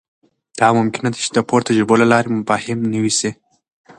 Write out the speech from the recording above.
دا ممکنه ده چې د پورته تجربو له لارې مفاهیم نوي سي.